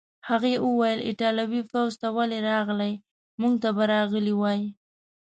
هغې وویل: ایټالوي پوځ ته ولې راغلې؟ موږ ته به راغلی وای.